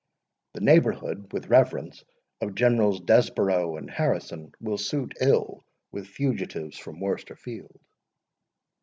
The neighbourhood, with reverence, of Generals Desborough and Harrison, will suit ill with fugitives from Worcester field."